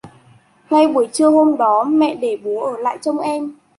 ngay buổi trưa hôm đó mẹ để bố ở lại trông em